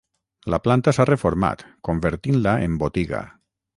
La planta s'ha reformat convertint-la en botiga.